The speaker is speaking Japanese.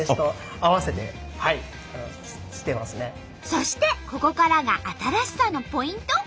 そしてここからが新しさのポイント。